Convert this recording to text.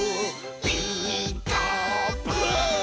「ピーカーブ！」